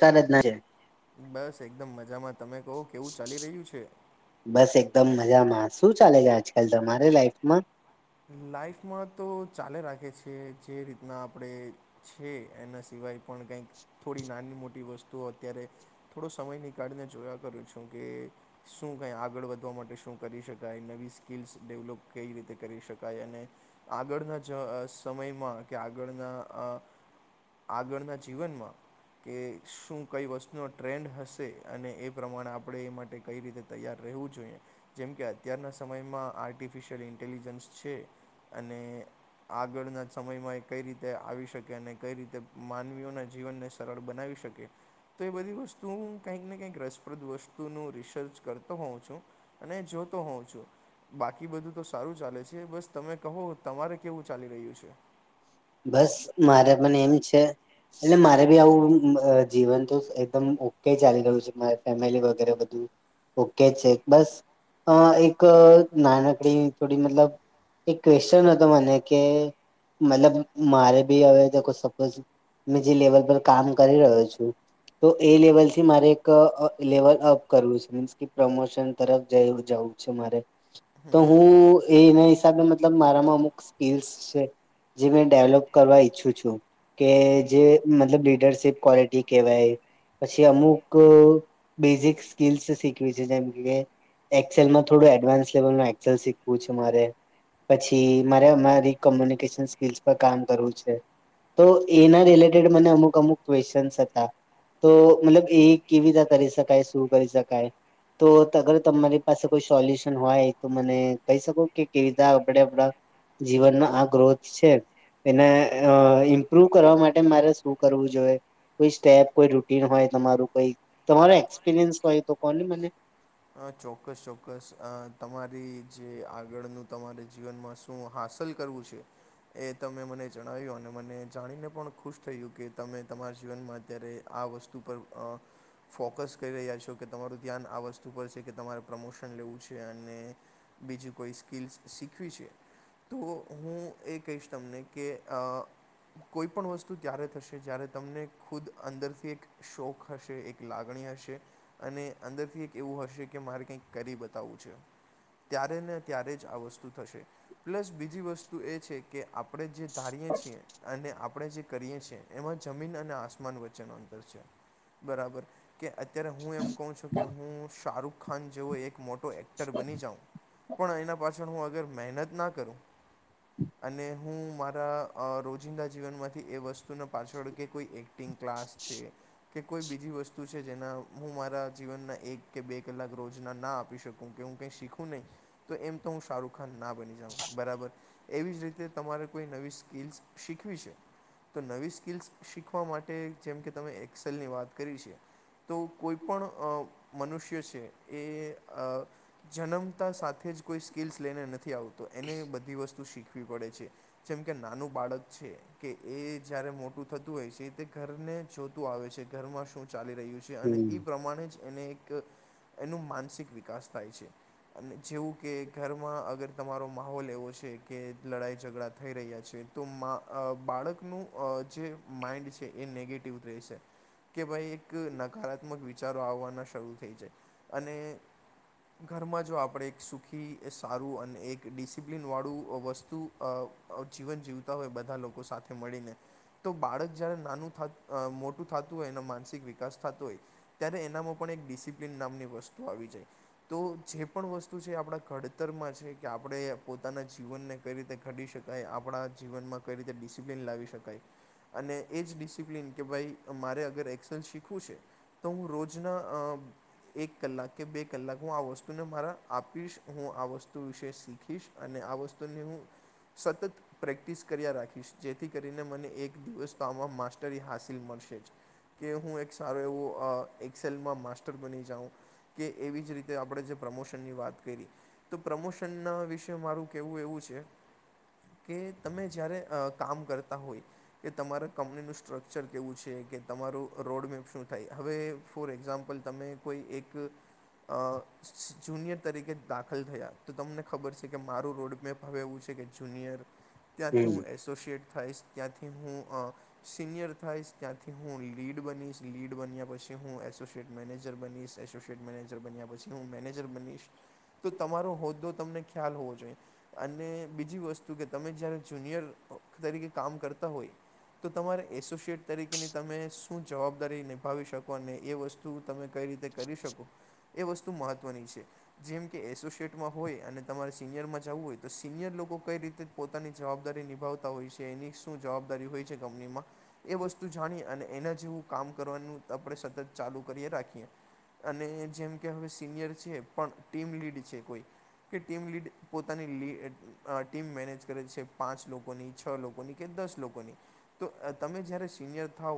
કારજ ના જે બસ એકદમ મજામાં તમે કહો કેવું ચાલી રહ્યું છે બસ એકદમ મજામાં શું ચાલે છે આજકાલ તમારે લાઈફમાં લાાઈફમાં તો ચાલે રાખે છેએ જે રીતના આપડે છે, એના સિવાય પણ કઈક થોડી નાની મોટી વસ્તુઓ અત્યારે થોડો સમય નીકાળીને જોયા કરૂ છું કે શું કઈ આગળ વધવા માટે શું કરી શકાય, નવી સ્કીલ્સ ડેવલપ કઈ રીતે કરી શકાય, અને આગળના જ સમયમાં કે આગળના અ આગળના જીવનમાં કે શું કઈ વસ્તુનો ટ્રેન્ડ હશે, અને એ પ્રમાણે આપણે એ માટે કઈ રીતે તૈયાર રહેવું જોઈએ, જેમકે અત્યારના સમયમાં આર્ટિફિશિયલ ઇન્ટેલિજન્સ છે. અને આગળના સમયમાં એ કઈ રીતે આવી શકે અને કઇ રીતે માનવીઓના જીવનને સરળ બનાવી શકે. તો એ બધી વસ્તુ હું કંઈક ને કંઈક રસપ્રદ વસ્તુનું રિસર્ચ કરતો હોઉ છું. અને જોતો હોઉં છું બાકી બધું તો સારું ચાલે છે, બસ તમે કહો તમારે કેવું ચાલી રહ્યું છે. બસ મારે પણ એમ છે એટલે મારે બી આવું [unintelligible] જીવન તો એકદમ ઓકે ચાલી રહ્યું છે મારે ફેમિલી વગેરે બધું. ઓકે છે બસ અ એક નાનકડી એવી થોડી મતલબ એક ક્વેશ્ચન હતો મને કે મતલબ મારે બી હવે દેખો સપોઝ મે જે લેવલ પર કામ કરી રહ્યો છું. તો એ લેવલ થી મારે એક અ લેવલ અપ કરવું છે, મીન્સ કે પ્રમોશન તરફ જવું છે, મારે તો હું એના હિસાબે મતલબ મારામાં અમુક સ્કીલ્સ છે, જે મે ડેવલોપ કરવા ઈચ્છું છું કે જે મતલબ લીડરશીપ ક્વોલિટી કેહેવાય. પછી અમુક બેઝિક સ્કીલ્સ શીખવી છે, જેમ કે એક્સેલમાં થોડું એડવાન્સ લેવલમાં એક્સેલ શીખવું છે, મારે પછી મારે રી કોમ્યુનિકેશન સ્કીલસ પર કામ કરવું છે તો એના રિલેટેડ મને અમુક અમુક ક્વેશ્ચન્સ હતા. તો મતલબ એ કેવી રીતે કરી શકાય, શું કરી શકાય તો તગર તમારી પાસે કોઈ સોલ્યુશન હોય તો મને કહી શકો કે કેધા આપડે આપડા જીવનનો આ ગ્રોથ છે. એને ઇમ્પ્રુવ કરવા માટે મારે શું કરવું જોઈએ. કોઈ સ્ટેપ કોઈ રૂટીન હોય તમારું કોઈ તમારો એક્સપિરિયન્સ હોય તો કો ને મને હા, ચોક્કસ ચોક્કસ અ તમારી જે આગળનું તમારે જીવનમાં શું શું હાંસલ કરવું છે. કે તમે મને જણાવ્યું અને મને જાણીને પણ ખુશ થયું કે તમે તમારા જીવનમાં અત્યારે આ વસ્તુ પર ફોકસ કરી રહ્યા છો કે તમારું ધ્યાન આ વસ્તુ કે તમારે પ્રમોશન લેવું છે, અને બીજું કોઈ સ્કીલ્સ શીખવી છે. તો હું એ કહીશ તમને કે અ કોઈપણ વસ્તુ ત્યારે થશે જ્યારે તમને ખુદ અંદરથી એક શોખ હશે એક લાગણી હશે અને અંદરથી એક એવું હશે કે મારે કંઈક કરી બતાવું છે. ત્યારે ને ત્યારે જ આ વસ્તુ થશે પ્લસ બીજી વસ્તુ એ છે કે આપણે જે તારીએ છીએ અને આપ આપણે જે કરીએ છીએ એમાં જમીન અને આસમાન વચ્ચેનો અંતર છે, બરાબર કે અત્યારે હું એમ કહું છું કે હું શાહરૂખ ખાન જેવો એક મોટો એક્ટર બની જાઉં. પણ એના પાછળ હું અગર મહેનત ના કરું અને હું મારા રોજિંદા જીવનમાંથી એ વસ્તુના પાછળ કે કોઈ એક એકટિંગ ક્લાસ છે કે કોઈ બીજી વસ્તુ છે જેના હું મારા જીવનના એક કે બે કલાક રોજ ના ના આપી શકું કે હું કંઈક શીખું નહી તો એમ તો હું શાહરૂખ ખાન ના બની જાઉં બરાબર. એવી જ રીતે તમારે કોઈ નવી સ્કિલ્સ શીખવી છે. તો નવી સ્કિલ્સ શીખવા માટે જેમ કે તમે એક્સેલની વાત કરી છે તો કોઈ પણ અ મનુષ્ય છે એ જન્મતા સાથે જ કોઈ સ્કિલ્સ લઈને નથી આવતું. તો એને બધી વસ્તુ શીખવી પડે છે. જેમ કે નાનું બાળક છે કે એ જયારે મોટું થતું હોય છે તે ઘરને જોતું આવે છે ઘરમાં શું ચાલી રહ્યું છે. અને હમ એ પ્રમાણે જ એને એક એનું માનસિક વિકાસ થાય છે. અને જેવું કે ઘરમાં અગર તમારો માહોલ એવો છે કે લડાઈ ઝઘડા થઈ રહ્યા છે તો મા બાળકનું જે માઇન્ડ છે એ નેગેટિવ રહેશે. કે ભાઈ એક નકારાત્મક વિચારો આવવાના શરૂ થઈ જાય અને ઘરમાં જો આપણે એક સુખી સારું અને એક ડિસિપ્લિનવાળું વસ્તુ જીવન જીવતા હોય બધા લોકો સાથે મળીને. તો બાળક જય્યારે નાનું મોટું થતું હોય અને માનસિક વિકાસ થતું હોય ત્યારે એનામાં પણ એક ડીસીપ પ્લીન નામની વસ્તુ આવી જાય તો જે પણ વસ્તુ છે આપણા ઘડતરમાં છે. કે આપણે પોતાના જીવનને કઈ રીતે ઘડી શકાય આપણા જીવનમાં કઈ રીતે ડિસિપ્લિન લાવી શકાય. અને એ જ ડિસિપ્લિન કે ભાઈ મારે અગર એક્સેલ શીખવું છે તો હું રોજના એક કલાક કે બે કલાક હું આ વસ્તુને મારા આપીશ હું આ વસ્તુ વિશે શીખીશ. અને આ વસ્તુની હું સતત પ્રેક્ટિસ કર્યા રાખીશ જેથી કરીને મને એક દિવસ તો આમાં માસ્ટરી હાસિલ મળશે જ. કે હું એક સારું એવો એક્સેલમાં માસ્ટર બની જાવ કે એવી જ આપણે જે પ્રમોશનની વાત કરી તો પ્રમોશનના વિશે મારું કેવું એવું છે કે તમે જ્યારે કામ કરતા હોય કે તમારા કંપનીનું સ્ટ્રક્ચર કેવું છે? કે તમારું રોડમેપ શું થાય? હવે ફોર એકઝામ્પલ તમે કોઈ એક અ જુનિયર તરીકે દાખલ થયા તો તમને ખબર છે કે મારું રોડમેપ હવે એવું છે કે જુનિયર ત્યાંથી હું હમ એસોસિએટ થઈશ ત્યાંથી હું અ સિનિયર થઈશ ત્યાંથી હું લીડ બનીશ લીડ બન્યા પછી હું એસોસિયટ મેનેજર બનીશ એસોસિએટ મેનેજર બન્યા પછી હું મેનેજર બનીશ. તો તમારો હોદ્દો તમને ખ્યાલ હોવો જોઈએ. અને બીજી વસ્તુ કે તમે જયારે જુનિયર તરીકે કામ કરતા હોય તમારે એસોસિએટ તરીકેની તમે શું જવાબદારી નિભાવી શકો અને એ વસ્તુ તમે કઈ રીતે કરી શકો? એ વસ્તુ મહત્વની છે. જેમ કે હોય એસોસિએટમાં અને તમારે સિનિયર માં જવું હોય તો સિનિયર લોકો કઈ રીતે પોતાની જવાબદારી નિભાવતા હોય છે એની શું જવાબદારી હોય છે કંપનીમાં એ વસ્તુ જાણીએ અને એના જેવું કામ કરવાનું આપણે સતત ચાલુ કરીએ રાખીએ. અને જેમ કે હવે સિનિયર છે પણ ટીમ લીડ છે કોઈ કે ટીમ લીડ પોતાની લ ટીમ મેનેજ કરે છે પાંચ લોકોની છ લોકોની કે દસ લોકો ની તો તમે જ્યારે સિનિયર થઓ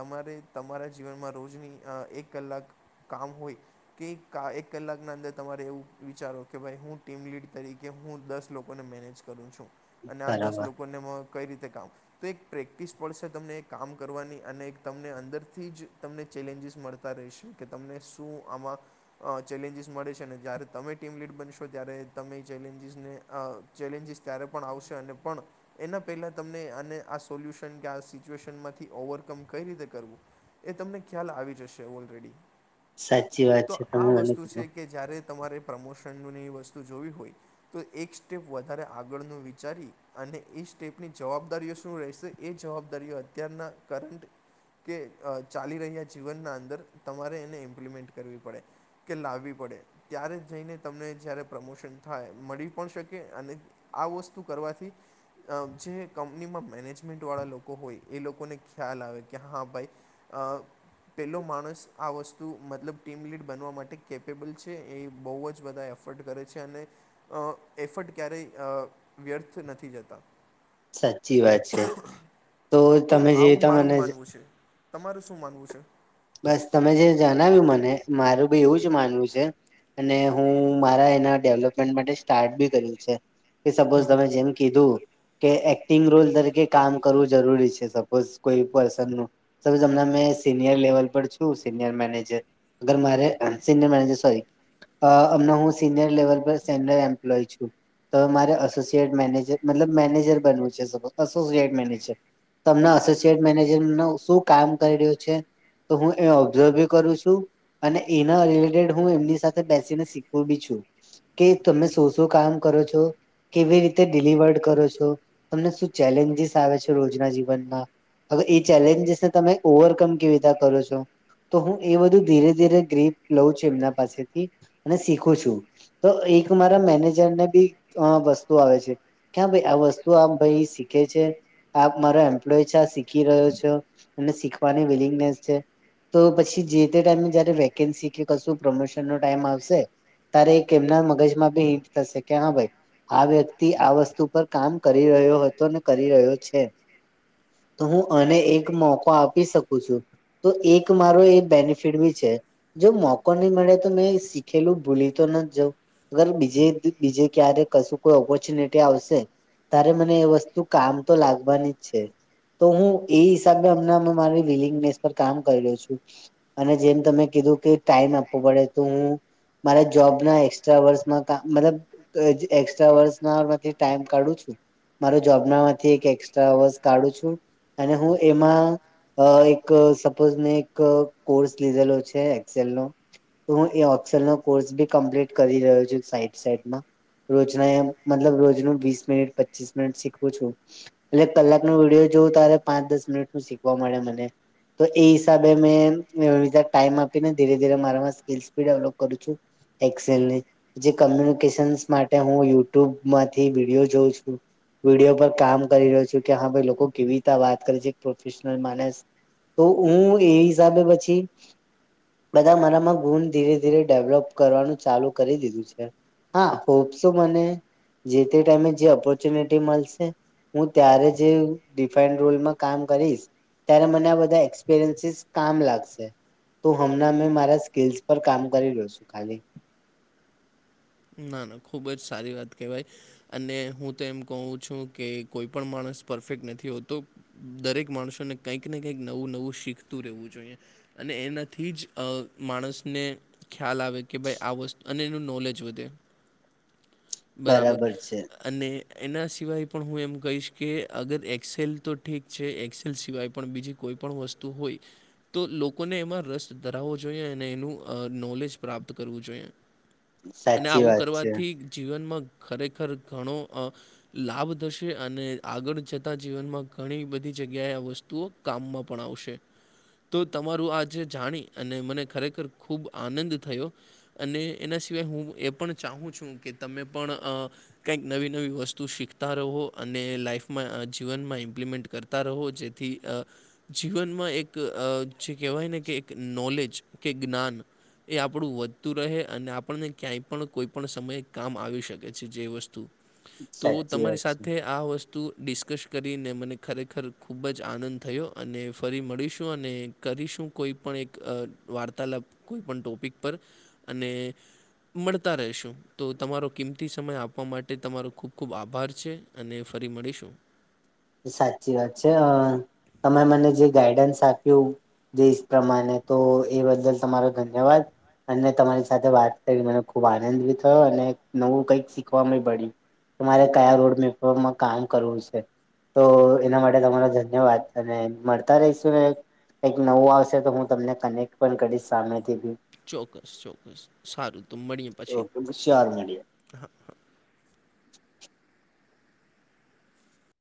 તમારે જીવનમાં રોજની એક કલાક કામ હોય કે એક કલાકના અંદર તમારે એવું વિચારો કે ભાઈ હું ટીમ લીડ તરીકે હું દસ લોકોને મેનેજ કરું છું અને આ દસ બરાબર લોકોને કઈ રીતે કામ તો એક પ્રેક્ટિસ પડશે તમને કામ કરવાની અને તમને અંદરથી જ તમને ચેલેન્જીસ મળ તા રેહશે કે તમને શું આમાં ચેલેન્જીસ મળે છે ને જ્યારે તમે ટીમ લીડ બનશો ત્યારે તમે એ ચેલેન્જીસને અ ચેલેન્જીસ ત્યારે પણ આવશે અને પણ એના પહેલા તમને અને આ સોલ્યુશન કે આ સિચ્યુએશન માંથી ઓવરકમ કઈ રીતે કરવું એ તમને ખ્યાલ આવી જશે ઓલરેડી. સાચી વાત તો છે આ તમે મને વસ્તુ છે કીધૂ કે જયારે તમારે પ્રમોશનનું એ વસ્તુ જોવી હોય તો એક સ્ટેપ વધારે આગળનું વિચારી અને એ સ્ટેપની જવાબદારીઓ શું રહેશે એ જવાબદારીઓ અત્યારના કરંટ કે ચાલી રહ્યા જીવનના અંદર તમારે એને ઇમ્પ્લિમેન્ટ કરવી પડે. કે લાવવી પડે ત્યારે જઈને તમને જ્યારે પ્રમોશન થાય મળી પણ શકે અને આ વસ્તુ કરવાથી જે કંપનીમાં મેનેજમેન્ટ વાળા લોકો હોય એ લોકોને ખ્યાલ આવે કે હા ભાઈ અ પેલો માણસ આ વસ તું મતલબ ટીમ લીડ બનવા માટે કેપેબલ છે એ બહુ જ બધા એફર્ટ કરે છે અને અ એફટ ક્યારેય વ્યર્થ નથી જતા સાચી વાત છે તો તમે જે રીતના મને તમારે શું માનવું છે? બસ તમે જે જણાવ્યું મને મારું બી એવું જ માનવું છે અને હું મારા એના ડેવલપમેન્ટ માટે સ્ટાર્ટ બી કર્યું છે. કે સપોઝ તમે જેમ કીધું કે એક્ટિંગ રોલ તરીકે કામ કરવું જરૂરી છે સપોઝ કોઈ પર્સનનું [unintelligible] મેં સીનિયર લેવલ પર છું સિનીયર મેનેજર અગર મારે સિનયર મેજર સોરી અ અમનાહું સિનિયર લેવલ પર સેનિયર એમ્પ્લોય છું. તો મારે એસોસિએટ મેનેજ મતલબ મેનેજર બનવું છે એસોસિએટ મેનેજર તમને અસોસિટ મેનેજરનું શું કામ કરી રહ્યો છે? તો હું એ ઓબ્ઝર્વ બી કરું છું અને એના રિલેટેડ હું એમની સાથે બેસીને શીખુ બી છું. કે તમે શું શું કામ કરો છો? કેવી રીતે ડિલિવર્ડ કરો છો? તમને શું ચેલેન્જીસ આવે છે રોજના જીવનમાં? હવે એ ચેલેન્જીસ ને તમે ઓવરકમ કેવી રીતે કરો છો? તો હું એ બધું ધીરે ધીરે ગ્રીપ લઉ છું એમના પાસેથી અને શીખું છું તો એક મારા મેનેજરને બી વસ્તુ આવે છે ક્યા ભાઈ આ વસ્તુ આ ભાઈ શીખે છે? આપ મારો એમ્પ્લોય છે આ શીખી રહ્યો છો અને શીખવાની વિલિંગનેસ છે તો પછી જે તે ટાઈમે જયારે વેકેન્સી કે કશું પ્રમોશન નો ટાઈમ આવશે તારે એક એમના મગજમાં બી હિંટ થશે કે હા, ભાઈ આ વ્યક્તિ આ વસ્તુ પર કામ કરી રહ્યો હતો ને, કરી રહ્યો છે. તો હું અને એક મોકો શકું છું. તો એક મારો એ બેનિફિટ બી છે. જો મોકો નહી મળે, તો મેં શીખેલું ભૂલી તો નથી જઉં. અગર બીજે, બીજે ક્યારે કશું કોઈ ઓપોર્ચ્યુનિટી આવશે તારે મને એ વસ્તુ કામ તો લાગવાની જ છે. તો હું એ હિસાબે હમણાં મારી વિલિંગનેસ પર કામ કર્યો રહ્યો છું. અને જેમ તમે કીધું કે ટાઈમ આપવો પડે, તો હું મારા જોબના એક્સ્ટ્રા અર્સમાં મતલબ એક્સ્ટ્રા વર્ષનામાંથી ટાઈમ કાઢું છું. મારો જોબનામાંથી એક એસ્ટ્રા અવર્સ કાઢું છું અને હું એમાં અ એક ક સપોઝ મેં એક કોર્સ લીધેલો છે એક્સેલનો તો હું એ ઓફસલનનો કોર્સ બી કમ્પ્લીટ કરી રહ્યો છું. સાઈડ, સાઈડમાં. રોજના એમ મતલબ રોજનું વીસ મિનિટ, પચીસ મિનિટ શીખું છું. એલે કલાકનો વિડીયો જોવું ત્યારે પાંચ દસ મિનિટનું શીખવા મળે મને. તો એ હિસાબે મે એવી રીતે ટાઈમ આપીને, ધીરે ધીરે મારા સ્કીલ બી ડેવલપ કરું છું. એક્સેલની જે કમ્યુનિકેશન્સ માટે હું યુટ્યુબમાંથી વિડીયો જોઉં છું. વિડીયો પર કામ કરી રહ્યો છે કે હા, ભાઈ લોકો કેવી રીતે વાત કરે છે. પ્રોફેશનલ માનસ તો હું એ હિસાબે પછી બધા મારામાં ગુણ ધીરે ધીરે ડેવલોપ કરવાનું ચાલુ કરી દીધું છે. હા, હોપ શું મને જે તે ટાઈમે જે ઓપોર્ચ્યુનિટી મળશે હું, ત્યારે જે ડિફાઈ રોલમાં કામ કરીશ, ત્યારે મને બધા એક્સપિરયન્સીસ કામ લાગશે. તો હમણાં મે મારા સ્કીલસ પર કામ કરી રહ્યો છું ખાલી. ના ના, ખુબ જ સારી વાત કેવાય. અને હું તો એમ કહું છું કે કોઈ પણ માણસ પરફેક્ટ નથી હોતો. દરેક માણસોને કંઈક ને કંઈક નવું નવું શીખતું રહેવું જોઈએ. અને એનાથી જ અ માણસને ખ્યાલ આવે કે ભાઈ આ વસ્તુ અને એનું નોલેજ વ ધે બરાબર. અને એના સિવાય પણ હું એમ કહીશ, કે અગર એક્સેલ તો ઠીક છે એક્સેલ સિવાય પણ બીજી કોઈપણ વસ્તુ હોય તો લોકોને એમાં રસ ધરાવો જોઈએ અને એનું નોલેજ પ્રાપ્ત કરવું જોઈએ. અને સાચી આવું વાત છે કરવાથી જીવનમાં ખરેખર ઘણો અ લાભ થશે અને આગળ જતાં જીવનમાં ઘણીબધી જગ્યાએ આ વસ્તુઓ કામમાં પણ આવશે. તો તમારું આજે જાણી અને મને ખરેખર ખૂબ આનંદ થયો અને એના સિવાય હું એ પણ ચાહું છું કે, તમે પણ અ કયક નવી નવી વસ્તુ શીખતા રહો અને લાઈફમાં જીવનમાં એપ્લીમેન્ટ ક રતા રહો જેથી અ જીવનમાં એક અ જે કેવાય ને, કે એક નોલેજ કે જ્ઞાન એ આપડુ વધતું રહે અને આપણને ક્યાંય પણ કોઈપણ સમયે કામ આવી શકે છે જે વસ્તુ તો સાચી તમારી વાત છે. સાથે આ વસ્તુ ડિસ્કસ કરીને, મને ખરેખર ખૂબ જ આનંદ થયો અને ફરી મળીશું અને કરીશું કોઈપણ એક વાર્તાલાપ કોઈપણ ટોપિક પર અને મળતા રહેશું, તો તમારો કિંમતી સમય આપવા માટે તમારો ખૂબ ખૂબ આભાર છે. અને ફરી મળીશું. સાચી વાત છે અ.. તમે મને જે ગાઈડન્સ આપ્યું. દેશ પ્રમાણે તો એ બદલ તમારો ધન્યવાદ. અને તમારી સાથે વાત કરી મને ખુબ આનંદ ભી થયો અને નવું કઈક શીખવા મી મળ્યુ. તમારે કયા રોડ મેપમાં કામ કરવું સે? તો એના માટે તમારો ધન્યવાદ અને મળતા રહીશું ને? કઈક નવું આવશે તો હું તમને કનેક્ટ પણ કરીશ સામેથી ભી. ચોક્કસ ચોક્કસ સારું તો મળીએ પછી. ઓકે શ્યોર મળીએ હા. હા.